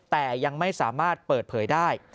แต่ยังไม่สามารถเปิดเผยได้